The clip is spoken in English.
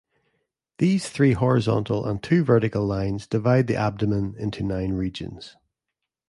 These three horizontal and two vertical lines divide the abdomen into nine regions.